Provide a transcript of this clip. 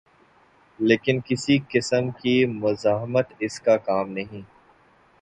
لیکن کسی قسم کی مزاحمت اس کا کام نہیں۔